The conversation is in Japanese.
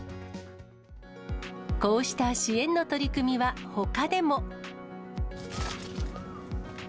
こうした支援の取り組みはほかでも。